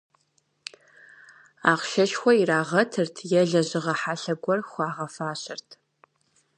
Ахъшэшхуэ ирагъэтырт е лэжьыгъэ хьэлъэ гуэр хуагъэфащэрт.